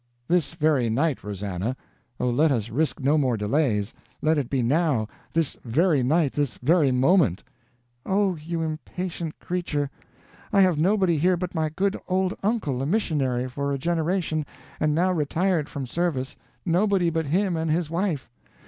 "This very night, Rosannah! Oh, let us risk no more delays. Let it be now! this very night, this very moment!" "Oh, you impatient creature! I have nobody here but my good old uncle, a missionary for a generation, and now retired from service nobody but him and his wife.